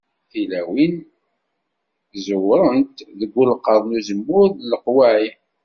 Tilawin ẓewwrent deg ulqaḍ n uzemmur n leqwaɛi.